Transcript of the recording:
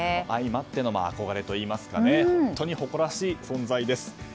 相まっての憧れといいますか本当に誇らしい存在です。